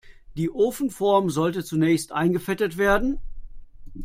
Die Ofenform sollte zunächst eingefettet werden.